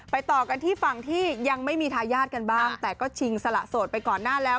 ต่อกันที่ฝั่งที่ยังไม่มีทายาทกันบ้างแต่ก็ชิงสละโสดไปก่อนหน้าแล้ว